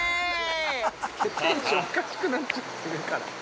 ◆テンションおかしくなっちゃってるから。